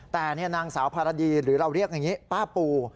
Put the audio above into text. แต่นางสาวภารดีหรือเราเรียกอย่างนี้ป้าปู